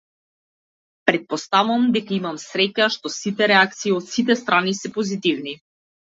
Претпоставувам дека имам среќа што сите реакции од сите страни се позитивни.